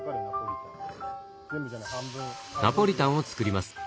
ナポリタンを作ります。